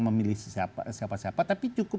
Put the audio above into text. memilih siapa siapa tapi cukup